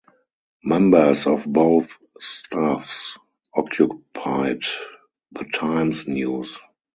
Members of both staffs occupied the Times-News.